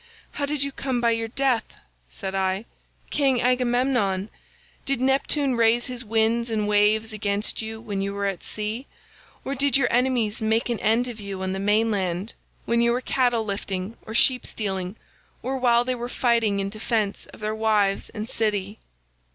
'How did you come by your death,' said I, 'King Agamemnon? Did Neptune raise his winds and waves against you when you were at sea, or did your enemies make an end of you on the main land when you were cattle lifting or sheep stealing, or while they were fighting in defence of their wives and city?